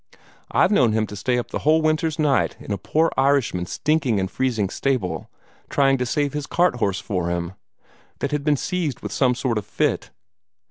I've known him to stay up a whole winter's night in a poor Irishman's stinking and freezing stable, trying to save his cart horse for him, that had been seized with some sort of fit.